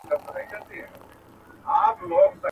آسمانه واخله ککرۍ درغلې.